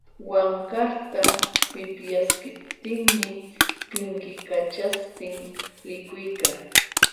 Wankarta wipyaśhtinmi pinkikaćhaśhtin likuykan.